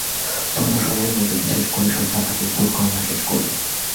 দ্রুত সময়ের মধ্যে বিশেষ করে সন্ধ্যার আগেই ভোট গণনা শেষ করবেন।